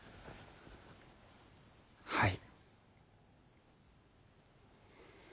はい。